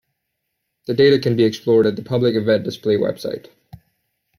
The data can be explored at the Public Event Display web site.